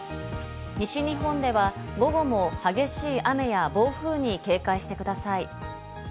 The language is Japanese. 西日本では午後も激しい雨や暴風に警戒してください。